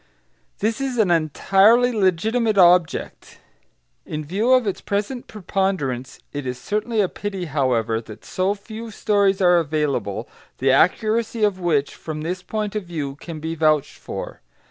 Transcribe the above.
This is an entirely legitimate object. In view of its present preponderance, it is certainly a pity, however, that so few stories are available, the accuracy of which, from this point of view, can be vouched for.